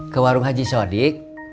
ke warung haji sodik